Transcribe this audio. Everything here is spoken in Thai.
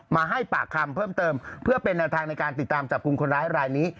มาให้ปากคำเพิ่มเติมเพื่อเป็นแนวทางในการติดตามจับกลุ่มคนร้ายรายนี้